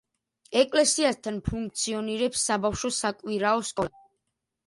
ეკლესიასთან ფუნქციონირებს საბავშვო საკვირაო სკოლა.